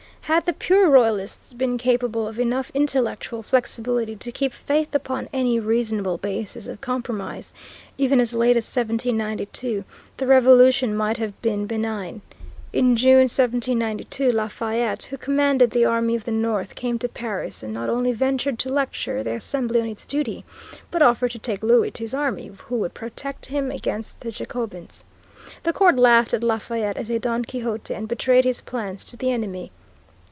Had the pure Royalists been capable of enough intellectual flexibility to keep faith upon any reasonable basis of compromise, even as late as 1792, the Revolution might have been benign. In June, 1792, Lafayette, who commanded the army of the North, came to Paris and not only ventured to lecture the Assembly on its duty, but offered to take Louis to his army, who would protect him against the Jacobins. The court laughed at Lafayette as a Don Quixote, and betrayed his plans to the enemy.